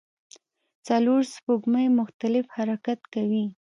څلور سپوږمۍ مختلف حرکت کوي.